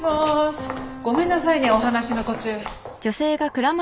ごめんなさいねお話の途中。